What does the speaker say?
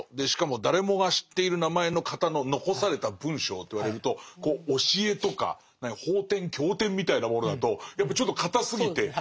しかも誰もが知っている名前の方の残された文章といわれると教えとか法典経典みたいなものだとやっぱちょっと堅すぎて。